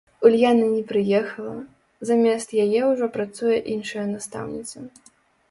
Ульяна не прыехала, замест яе ўжо працуе іншая настаўніца.